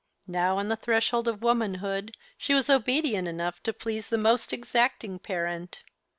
Now on the threshold of womanhood she was obedient enough to please the most exacting parent.